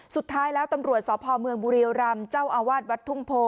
สุดท้ายแล้วตำรวจสอบภอมเมืองบุรีโยรัมน์เจ้าอาวาสวัตรวัดทุ่งโพ